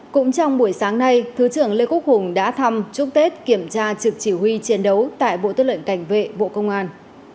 cũng trong buổi sáng nay thứ trưởng lê quốc hùng đã thăm chúc tết kiểm tra trực chỉ huy chiến đấu tại bộ tư lệnh cảnh vệ bộ công an